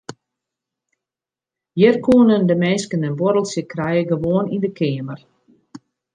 Hjir koenen de minsken in boarreltsje krije gewoan yn de keamer.